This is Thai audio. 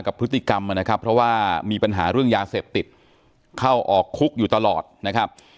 พฤติกรรมนะครับเพราะว่ามีปัญหาเรื่องยาเสพติดเข้าออกคุกอยู่ตลอดนะครับ